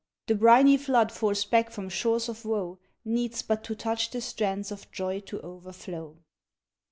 The briny flood forced back from shores of woe, Needs but to touch the strands of joy to overflow.